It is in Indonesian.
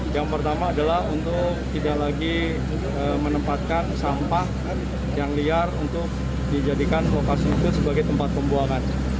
yang pertama adalah untuk tidak lagi menempatkan sampah yang liar untuk dijadikan lokasi mobil sebagai tempat pembuangan